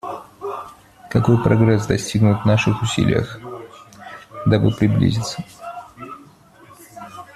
Какой прогресс достигнут в наших усилиях, дабы приблизиться.